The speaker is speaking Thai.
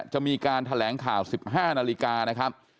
จะมีการแถลงข่าว๑๕นาฬิกานะครับ